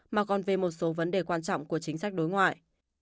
mà còn về một số vấn đề quan trọng của chính sách đối ngoại